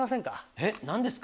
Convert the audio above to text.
えっ何ですか？